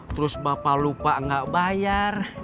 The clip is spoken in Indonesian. terus bapak lupa nggak bayar